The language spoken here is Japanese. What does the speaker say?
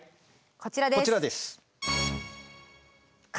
こちらです。